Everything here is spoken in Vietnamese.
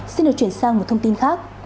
xin được chuyển sang một thông tin khác